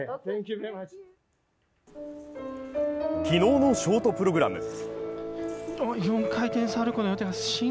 昨日のショートプログラム。